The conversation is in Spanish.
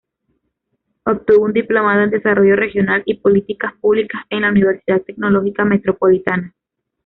Obtuvo un diplomado en Desarrollo Regional y Políticas Públicas en la Universidad Tecnológica Metropolitana.